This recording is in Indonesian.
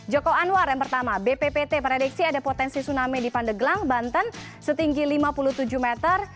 joko anwar yang pertama bppt prediksi ada potensi tsunami di pandeglang banten setinggi lima puluh tujuh meter